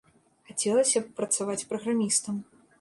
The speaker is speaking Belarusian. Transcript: Хацелася б працаваць праграмістам.